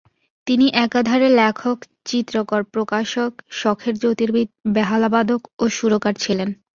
তিনি একাধারে লেখক চিত্রকর, প্রকাশক, শখের জ্যোতির্বিদ, বেহালাবাদক ও সুরকার ছিলেন।